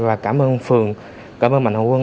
và cảm ơn phường cảm ơn mạnh hội quân